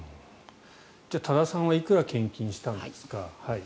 多田さんはいくら献金したんですか。